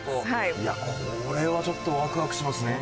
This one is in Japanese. いやこれはちょっとワクワクしますね。